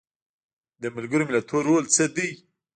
د ملګرو ملتونو رول څه دی؟